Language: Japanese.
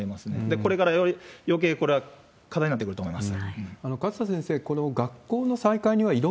これからよけい、これは課題になってくると思います。